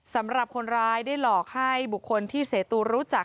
สำหรับคนร้ายได้หลอกให้บุคคลที่เสตูรู้จัก